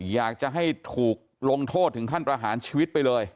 อยากจะให้ถูกลงโทษถึงขั้นประหารชีวิตไปเลย